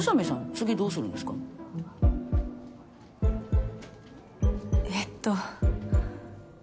次どうするんですえっと。